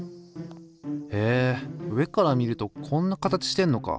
へえ上から見るとこんな形してんのか。